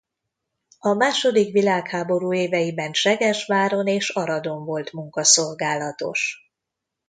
A második világháború éveiben Segesváron és Aradon volt munkaszolgálatos.